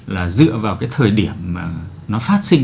là dựa vào cái thời điểm mà nó phát sinh